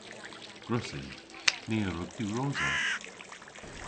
Gwrussyn. Ni a wrug diwrosa.